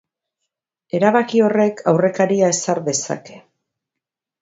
Erabaki horrek aurrekaria ezar dezake.